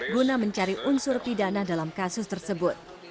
guna mencari unsur pidana dalam kasus tersebut